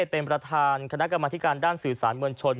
เป็นประธานคณะกรรมธิการด้านสื่อสารมวลชน